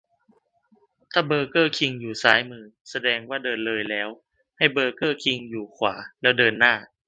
ถ้าเบอร์เกอร์คิงอยู่ซ้ายมือ แสดงว่าเดินเลยแล้ว ให้เบอร์เกอร์คิงอยู่ขวา แล้วเดินหน้า